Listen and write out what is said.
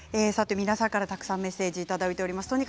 皆さんからたくさんメッセージいただいています。